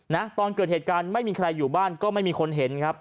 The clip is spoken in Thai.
นะตอนเกิดเหตุการณ์ไม่มีใครอยู่บ้านก็ไม่มีคนเห็นครับ